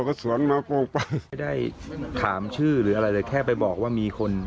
กลัวว่าสวรรค์มากลงไปไม่ได้ถามชื่อหรืออะไรแต่แค่ไปบอกว่ามีคน